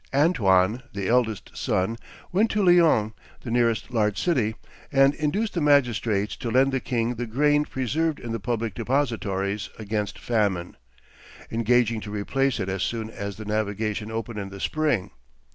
Antoine, the eldest son, went to Lyons, the nearest large city, and induced the magistrates to lend the king the grain preserved in the public depositories against famine, engaging to replace it as soon as the navigation opened in the spring.